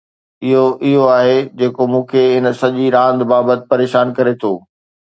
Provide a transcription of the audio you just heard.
اھو اھو آھي جيڪو مون کي ھن سڄي راند بابت پريشان ڪري ٿو.